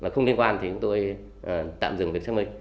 không liên quan thì tạm dừng xác minh